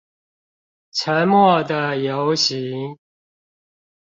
沉默的遊行